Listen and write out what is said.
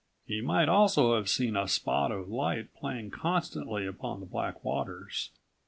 He might also have seen a spot of light playing constantly upon the black waters.